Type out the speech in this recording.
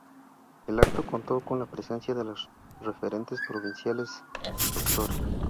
El acto contó con la presencia de las referentes provinciales Dra.